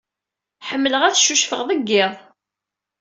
Ḥemmleɣ ad ccucfeɣ deg yiḍ.